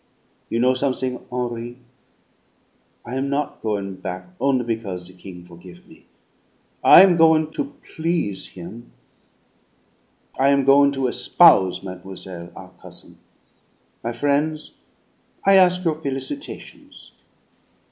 You know something, Henri? I am not goin' back only because the king forgive' me. I am goin' to please him; I am goin' to espouse mademoiselle, our cousin. My frien's, I ask your felicitations."